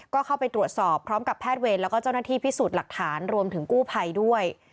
ก็เข้าไปตรวจสอบพร้อมกับแพทย์เวรแล้วก็เจ้าหน้าที่พิสูจน์หลักฐานรวมถึงกู้ภัยด้วย